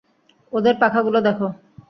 ওদের পাখাগুলো দেখো!